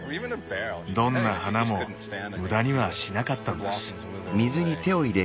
どんな花も無駄にはしなかったんです。